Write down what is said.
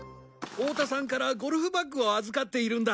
太田さんからゴルフバッグを預かっているんだ。